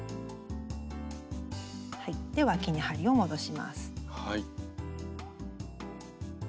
でわきに針を戻します。